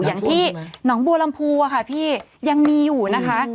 อย่างที่น้องบัวลำพูยังมีอยู่นะคะ